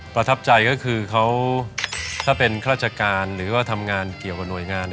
ประทับใจก็คือเขาถ้าเป็นราชการหรือว่าทำงานเกี่ยวกับหน่วยงาน